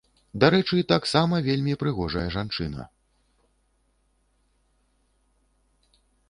Дарэчы, таксама вельмі прыгожая жанчына.